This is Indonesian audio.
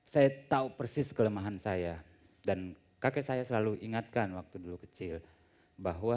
saya tahu persis kelemahan saya dan kakek saya selalu ingatkan waktu dulu kecil bahwa